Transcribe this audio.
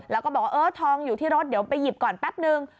แล้วก็บอกว่าเออทองอยู่ที่รถเดี๋ยวไปหยิบก่อนแป๊บนึง